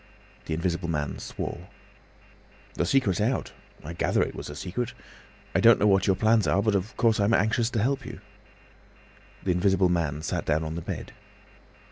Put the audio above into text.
The Invisible Man swore. "The secret's out. I gather it was a secret. I don't know what your plans are, but of course I'm anxious to help you." The Invisible Man sat down on the bed.